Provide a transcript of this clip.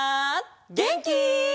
げんき？